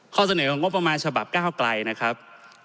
ข้อเสนอของงบประมาณฉบับ๙ไกลนะครับ